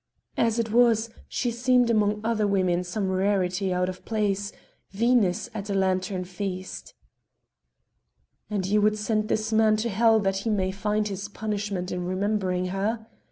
As it was, she seemed among other women some rarity out of place Venus at a lantern feast." "And ye would send this man to hell that he may find his punishment in remembering her?